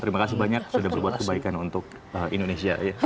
terima kasih banyak sudah berbuat kebaikan untuk indonesia